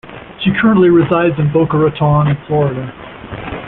She currently resides in Boca Raton, Florida.